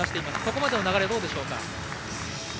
ここまでの流れはどうでしょうか。